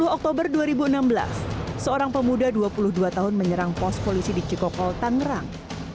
dua puluh oktober dua ribu enam belas seorang pemuda dua puluh dua tahun menyerang pos polisi di cikokol tangerang